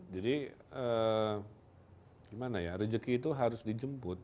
jadi gimana ya rejeki itu harus dijemput